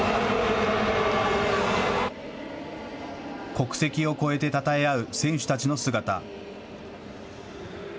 国籍を超えてたたえ合う選手たちの姿。